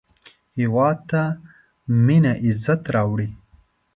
هېواد ته مینه عزت راوړي